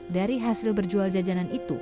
dari hasil berjual jajanan itu